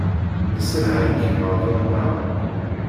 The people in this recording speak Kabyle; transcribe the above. Nesselha igmaḍ-nneɣ.